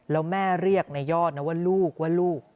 แล้วแม่เรียกในยอดนะว่าลูกว่าลูก